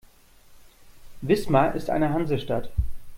Wismar ist eine Hansestadt.